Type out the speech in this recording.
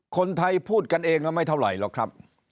คนไทยพูดกันเองแล้วไม่เท่าไหร่หรอกครับ